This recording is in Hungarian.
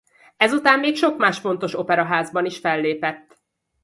Ezután még sok más fontos operaházban is fellépett.